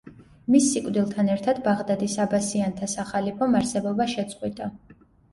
მის სიკვდილთან ერთად ბაღდადის აბასიანთა სახალიფომ არსებობა შეწყვიტა.